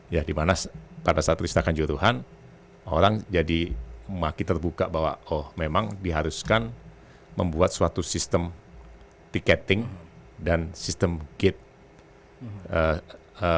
ya dimana pada saat peristiwa kanjuruhan orang jadi makin terbuka bahwa oh memang diharuskan membuat suatu sistem tiketing dan sistem gate